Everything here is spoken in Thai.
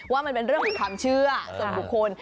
ว่ามันเป็นเรื่องของความเชื่อส่วนบุคคล